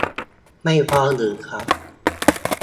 ไม่พอหรือครับ